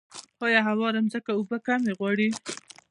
آیا هواره ځمکه اوبه کمې غواړي؟